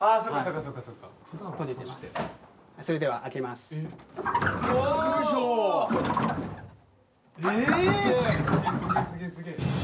すげえすげえすげえすげえ。